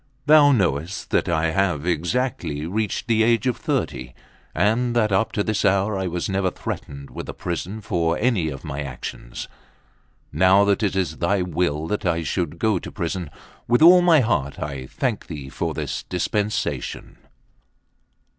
Thou knowest that I have exactly reached the age of thirty, and that up to this hour I was never threatened with a prison for any of my actions. Now that it is thy will that I should go to prison, with all my heart I thank thee for this dispensation."